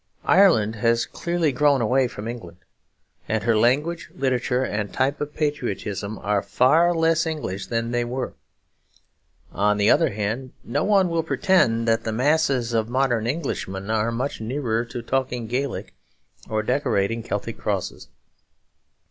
Ireland has clearly grown away from England; and her language, literature, and type of patriotism are far less English than they were. On the other hand, no one will pretend that the mass of modern Englishmen are much nearer to talking Gaelic or decorating Celtic crosses.